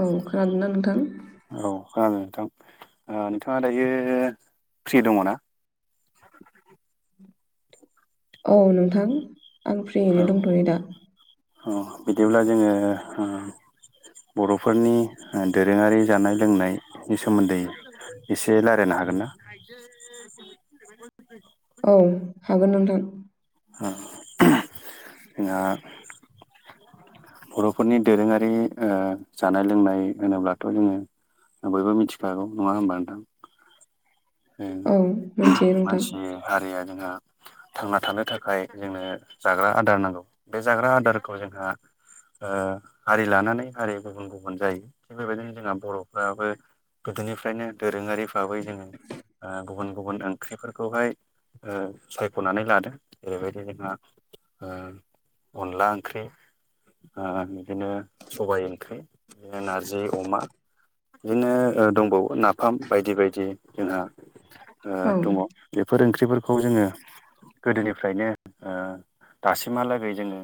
औ खोनादोंना नोंथां औ खोनादों नोंथां ओ नोंथांआ दायो फ्रि दङो ना औ नोंथां आं फ्रियैनो दंथ'यो दा अ बिदिब्ला जोङो ओ बर'फोरनि ओ दोरोंआरि जानाय लोंनायनि सोमोन्दै एसे रालायनो हागोन ना आ [inaudible] औ हागोन नोंथां ओ उम जोंहा बर'फोरनि दोरोंआरि ओ जानाय लोंनाय होनोब्लाथ' जोङो बयबो मिथिखागौ नङा होमबा नोंथां औ उम मोनथियो नोंथां मानसि हारिआ जोंहा थांना थानो थाखाय जोंनो जाग्रा आदार नांगौ बे जाग्रा आदारखौ जोंहा ओ हारि लानानै हारि गुबुन गुबुन जायो थिग बेबायदिनो जोंहा बर'फ्राबो गोदोनिफ्रायनो दोरोंआरि भाबै जोङो ओ गुबुन गुबुन ओंख्रिफोरखौहाय सायख'नानै लादों जेरैबादि जोंहा ओ अनला ओंख्रि ओ बिदिनो सबाय ओंख्रि नारजि अमा बिदिनो ओ दंबावो नाफाम बायदि बायदि जोंहा ओ औ दङ बेफोर ओंख्रिफोरखौ जोङो गोदोनिफ्रायनो ओ दासिमहालागै जोङो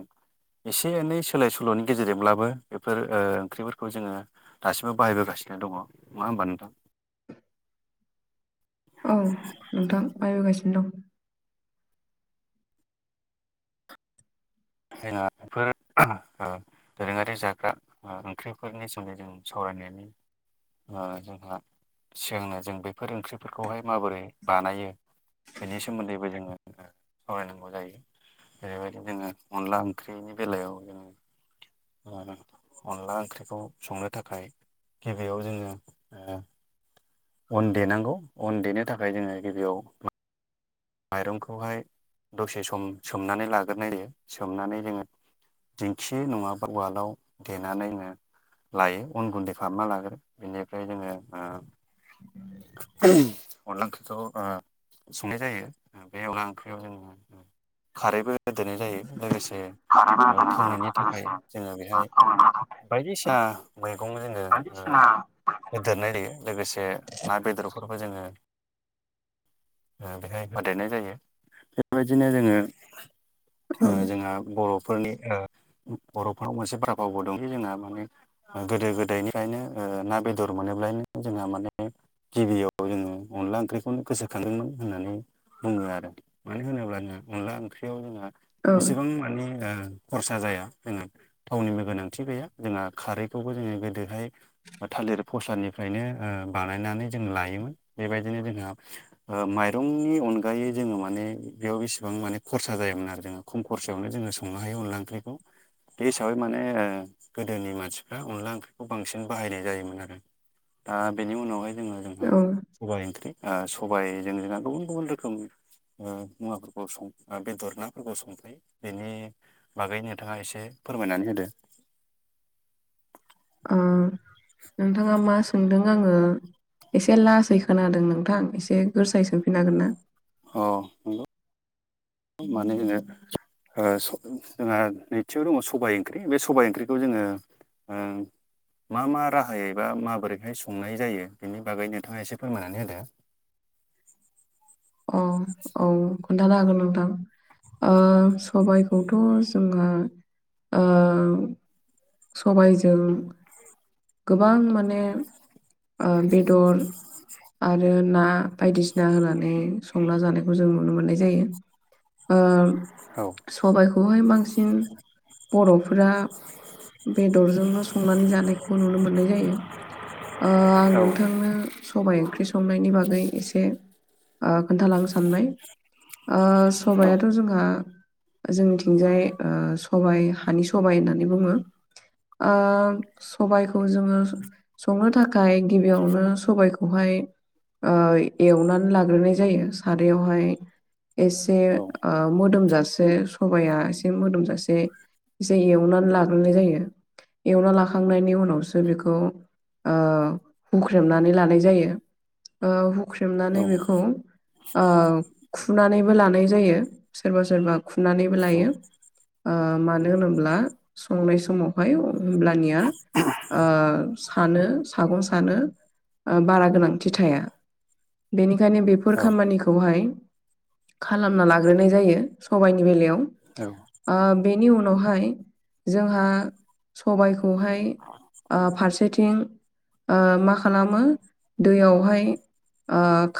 एसे एनै सोलाय सोल'नि गेजेरजोंब्लाबो ओ बेफोरखौ ओंख्रिफोरखौ जोङो दासिमबो बाहायबोगासिनो दङ नङा होमबा नोंथां उम नोंथां बाहायबोगासिनो दं जोंना बेफोर ओह औ दोरोंआरि जाग्रा ओ ओंख्रिफोरनि सोमोनदै जों सावरायनायनो ओ जोंहा सिगांनो जों बेफोर ओंख्रिफोरखौहाय माबोरै बानायो बेनि सोमोन्दैबो ओ जोङो सावरायनांगौ जायो जेरैबादि जोङो अनला ओंख्रिनि बेलायाव जोङो ओ अनला ओंख्रिखौ संनो थाखाय गिबिआव जोङो‌ अन देनांगौ अन देनो थाखाय जोङो गिबिआव माइरंखौहाय दसे सम सोमनानै लाग्रोनाय जों सोमनानै जोङो दिंखि नंआबा उवालाव देनानैनो लायो अन गुन्दै खालामना लाग्रो बिनिफ्राय जोङो ओ [unintelligible] अनला ओंख्रिखौ ओ संनाय जायो। ओ बे अनला ओंख्रियाव जों खारैबो होदेरनाय जायो लोगोसे ओ थावनायनि थाखाय जोङो बेहाय बायदिसिना मैगं जोङो ओ होदेरनाय जायो लोगोसे ना बेदरफोरबो जोङो ओ बेहाय होफादेरनाय जायो बेबायदिनो जोङो दं औ ओ जोंहा बर' फोरनि ओ बर'फोराव मोनसे [unintelligible] भावबो दं जोंहा माने ओ गोदो गोदायनिफ्रायनो ओ ना बेदर मोनोब्लानो जोंहा माने गिबियाव जोङो अनला ओंख्रिखौनो गोसोखांदोंमोन होननानै बुङो आरो मानो होनोब्लानो अनला ओंख्रियाव जोंहा औ एसेबां माने ओ खरसा जाया जोंहा थावनिबो गोनांथि गैया जोंहा खारैखौबो जोङो गोदोहाय बा थालिर फस्लानिफ्रायनो ओ बानायनानै जों लायोमोन बेबायदिनो जोंहा ओ माइरंनि अनगायै जोङो माने बेयाव बेसेबां माने खरसा जायामोन आरो जोङो खम खरसायावनो जोङो संनो हायो अनला ओंख्रिखौ। बे हिसाबै माने गोदोनि मानसिफ्रा अनला ओंख्रिखौ बांसिन बाहायनाय जायोमोन आरो। दा बेनि उनावहाय जोङो जोंहा औ सबाइ ओंख्रि ओ सबाइजों जोंहा गुबुन गुबुन रो खोम ओ मुवाफोरखौ सं बेदर नाफोरखौ संफायो। बेनि बागै नोंथाङा एसे फोरमायनानै होदो। ओ [inaudible] नोंथाङा मा सोंदों आङो एसे लासै खोनादों नोंथां एसे गोरसायै सोंफिननो हागोन ना? औ नंगौ मानो होनो ओ स जोंहा नैथियाव दङ सबाइ ओंख्रै बे सबाइ ओंख्रैखौ जोङो ओं मा मा राहायैबा माबोरैहाय संनाय जायो बिनि बागै नोंथाङा एसे फोरमायनानै होदो। औ औ खोन्थानो हागोन नोंथां। ओ सबायखौथ' जोङो ओ सबायजों गोबां माने ओ बेदर आरो ना बायदिसि ना होनानै संना जानायखौ जों नुनो मोननाय जायो। ओ होदो। सबायखौहाय बांसिन बर'फोरा बेदरजोंनो संनानै जानायखौ नुनो मोननाय जायो ओ आं औ नोंथां नो सबाइ ओंख्रि संनायनि बागै एसे ओ खोन्थालांनो सानबाय। ओ स औ सबायाथ' जोंहा जोंनिथिंजाय ओ सबाय हानि सबाय होननानै बुङो। ओ सबायखौ जोङो संनो थाखाय गिबियावनो सबायखौहाय ओ एवनानै लाग्रोनाय जायो सारायावहाय एसे औ ओ मोदोमजासे सबाया एसे मोदोमजासे जे एवनानै लाग्रोनाय जायो। एवना लाखांनायनि उनावसो बेखौ ओ हुख्रेमनानै लानाय जायो ओ औ हुख्रेमनानै बेखौ ओ खुनानैबो लानाय जायो सोरबा सोरबा खुनानैबो लायो। ओ मानो होनोब्ला संनाय समावहाय होमब्लानिया ओ सानो सागं सानो ओ बारा गोनांथि थाया। बेनिखायनो बेफोर औ खामानिखौहाय खालामना लाग्रोनाय जायो सबायनि बेलायाव औ ओ बेनि उनावहाय जोंहा सबायखौहाय ओ फारसेथिं ओ मा खालामो दैयावहाय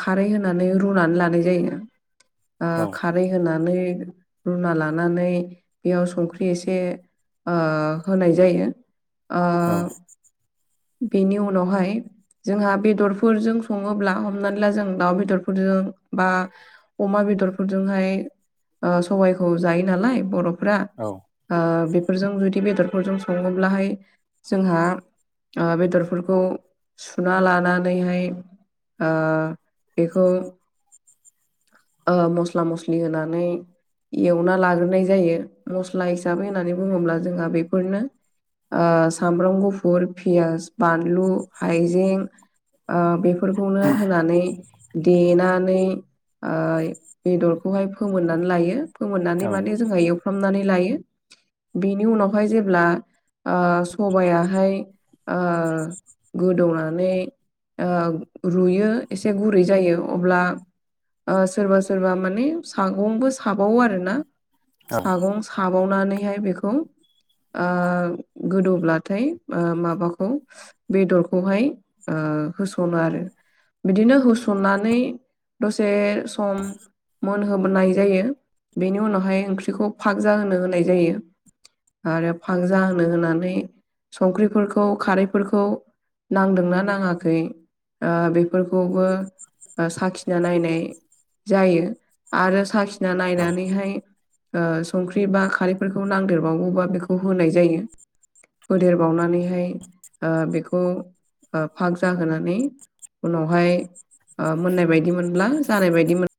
खारै होनानै रुनानै लानाय जायो। ओ औ खार रै होनानै रुना लानानै बेयाव संख्रि एसे ओ होनाय जायो। ओ बेनि उनावहाय जोंहा बेदरफोरजों सङोब्ला हमनानै ला जों दाउ बेदरफोरजों बा अमा बेदरफोरजोंहाय सबायाइखौ जायो नालाय बर'फ्रा। ओ बेफोरजों जुदि बेदरफोरजों सङोब्लाहाय जोंहा आ बेदरफोरखौ सुना लानानैहाय आ बेखौ मस्ला मस्लि होनानै एवना लाग्रोनाय जायो मस्ला हिसाबै होननानै बुङोब्ला जोंहा बेफोरनो सामब्राम गुफुर पियास बानलु हाइजें। बेफोरखौनो होनानै देनानै ओइ बेदरखौहाय फोमोननानै लायो फोमोननानै माने जोंहा एव फामनानै लायो। बेनि उनावहाय जेब्ला सबायाहाय ओ गोदौनानै ओ रुयो एसे गुरै जायो अब्ला सोरबा सोरबा माने सागंबो साबावो आरोना औ सागं खाबावनानैहाय बेखौ गोदौब्लाथाय माबा खौ बेदरखौहाय ओ होस'नो आरो। बिदिनो होसननानै दसे सम मोनहोबोनाय जायो बेनि उनावहाय ओंख्रिखौ फागक जाहोनो होनाय जायो। आरो फागजा होनो होनानै संख्रिफोरखौ खारैफोरखौ नांदोंना नाङाखै ओ बेफोरखौबो साखिना नायनाय जायो। आरो साखिना औ नायनानैहाय संख्रि बा खारैफोरखौ नांदेरबावौबा बेखौ होनाय जायो। फोदेरबावनानैहाय ओ बेखौ फाग जाहोनानै उनावहाय मोननाय बायदि मोनब्ला जानाय बायदि मोन